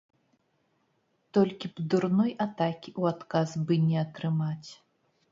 Толькі б дурной атакі ў адказ бы не атрымаць.